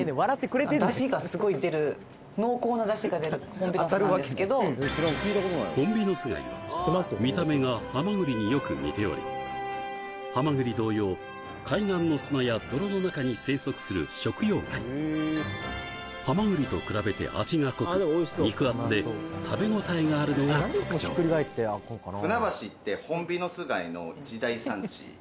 ホンビノスなんですけどホンビノス貝は見た目がハマグリによく似ておりハマグリ同様海岸の砂や泥の中に生息する食用貝ハマグリと比べて味が濃く肉厚で食べ応えがあるのが特徴あっとれるんですね